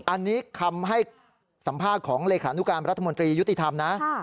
อันนี้คำให้สัมภาษณ์ของเลขานุการรัฐมนตรียุติธรรมนะ